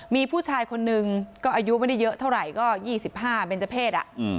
มีผู้ชายคนนึงก็อายุไม่ได้เยอะเท่าไหร่ก็๒๕เบนเจอร์เพศ